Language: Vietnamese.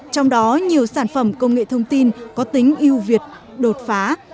trong đó nhiều sản phẩm công nghệ thông tin có tính yêu việt đột phá